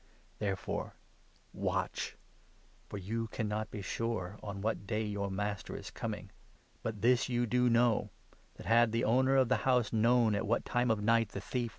Therefore watch ; for you cannot be sure on what day 42 your Master is coming. But this you do know, that, had the 43 owner of the house known at what time of night the thief 21 Dan.